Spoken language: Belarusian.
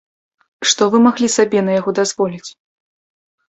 Што вы маглі сабе на яго дазволіць?